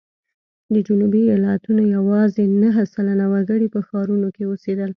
د جنوبي ایالتونو یوازې نهه سلنه وګړي په ښارونو کې اوسېدل.